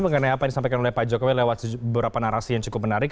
mengenai apa yang disampaikan oleh pak jokowi lewat beberapa narasi yang cukup menarik